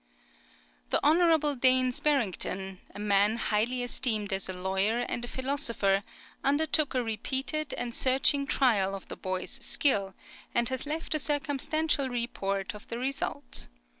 The Hon. Daines Barrington, a man highly esteemed as a lawyer and a philosopher, undertook a repeated and searching trial of the boy's skill, and has left a circumstantial report of the result.